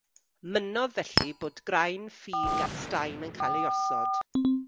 Mynnodd felly bod graen ffug a staen yn cael ei osod.